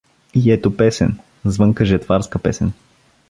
И ето песен — звънка жетварска песен.